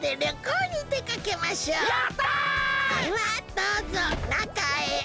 ではどうぞなかへ！